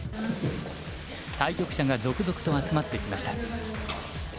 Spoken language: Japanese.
対局者が続々と集まってきました。